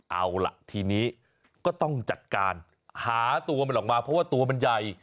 เอาล่ะทีนี้ก็ต้องจัดการหาตัวมันออกมาเพราะว่าตัวมันใหญ่